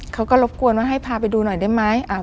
เขาก็รบกวนว่าให้พาไปดูหน่อยได้ไหม